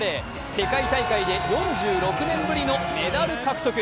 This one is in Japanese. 世界大会で４６年ぶりのメダル獲得。